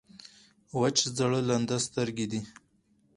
وچ زړه لانده سترګې دي.